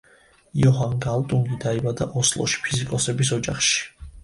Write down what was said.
იოჰან გალტუნგი დაიბადა ოსლოში, ფიზიკოსების ოჯახში.